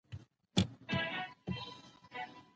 ته بايد د هرې موضوع په اړه معلومات ولرې.